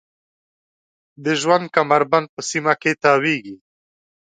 د ژوند کمربند په سیمه کې تاویږي.